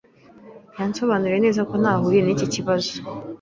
Yasobanuye neza ko ntaho ahuriye n'iki kibazo.